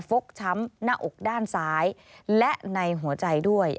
กช้ำหน้าอกด้านซ้ายและในหัวใจด้วย